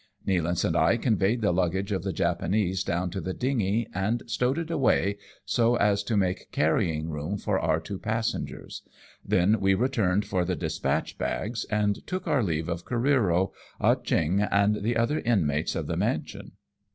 Nealance and I conveyed the luggage of the Japanese down to the dingy, and stowed it away, so as to make carrying room for our two passengers ; then we returned for the despatch bags and took our leave of Careero, Ah Cheong, and the other inmates of the mansion.